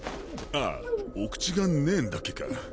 あァお口がねえんだっけか。